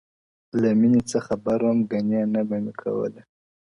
له مینــــــې څه خبـــــر وم ګنـــې نه به مې کوله